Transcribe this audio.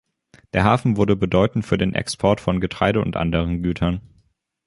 Der Hafen wurde bedeutend für den Export von Getreide und anderen Gütern.